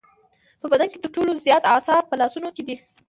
په بدن کې تر ټولو زیات اعصاب په لاسونو کې دي.